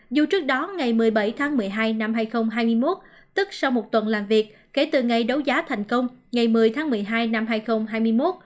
dù trước đó ngày một mươi bảy tháng một mươi hai năm hai nghìn hai mươi một tức sau một tuần làm việc kể từ ngày đấu giá thành công ngày một mươi tháng một mươi hai năm hai nghìn hai mươi một